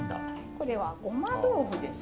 これはごま豆腐です。